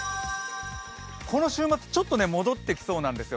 この週末、ちょっと戻ってきそうなんですよ